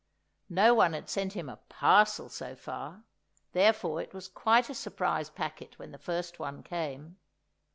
No one had sent him a parcel so far, therefore it was quite a surprise packet when the first one came.